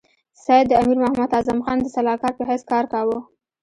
سید د امیر محمد اعظم خان د سلاکار په حیث کار کاوه.